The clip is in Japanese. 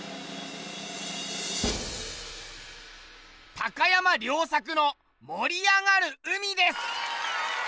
高山良策の「盛りあがる海」です。